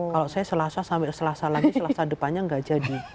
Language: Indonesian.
kalau saya selasa sampai selasa lagi selasa depannya nggak jadi